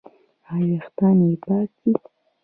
ایا ویښتان یې پاک دي؟